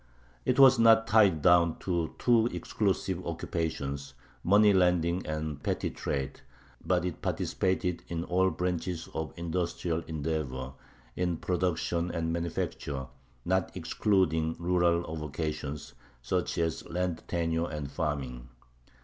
It was not tied down to two exclusive occupations, money lending and petty trade, but it participated in all branches of industrial endeavor, in production and manufacture, not excluding rural avocations, such as land tenure and farming.